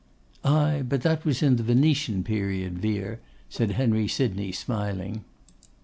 'Ay! but that was in the Venetian period, Vere,' said Henry Sydney, smiling.